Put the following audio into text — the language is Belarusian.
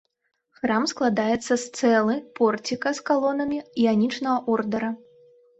Храм складаецца з цэлы, порціка з калонамі іанічнага ордара.